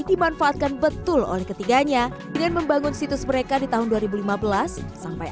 dimanfaatkan betul oleh ketiganya dengan membangun situs mereka di tahun dua ribu lima belas sampai